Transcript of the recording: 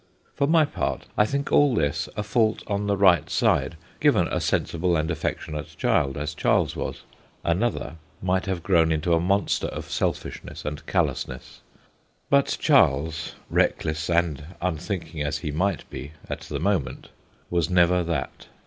For my part, I think all this a fault on the right side, given a sensible and affectionate child, as Charles was; another might have grown into a monster of selfishness and callousness, but Charles (reck less and unthinking as he might be at the moment) was never that.